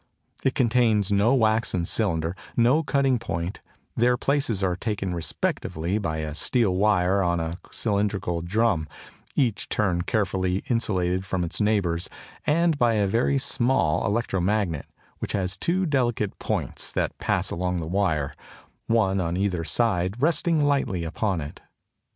It contains no waxen cylinder, no cutting point; their places are taken respectively by a steel wire wound on a cylindrical drum (each turn carefully insulated from its neighbours) and by a very small electro magnet, which has two delicate points that pass along the wire, one on either side, resting lightly upon it.